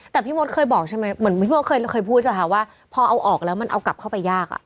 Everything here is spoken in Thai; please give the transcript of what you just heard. แต่พี่มดเคยบอกใช่ไหมเหมือนพี่มดเคยพูดป่ะคะว่าพอเอาออกแล้วมันเอากลับเข้าไปยากอ่ะ